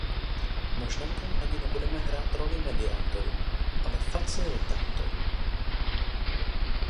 Možná tam ani nebudeme hrát roli mediátorů, ale facilitátorů.